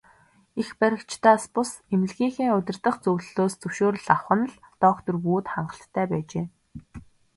Эрх баригчдаас бус, эмнэлгийнхээ удирдах зөвлөлөөс зөвшөөрөл авах нь л доктор Вүд хангалттай байжээ.